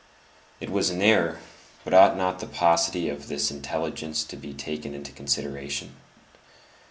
It was an error; but ought not the paucity of this intelligence to be taken into consideration?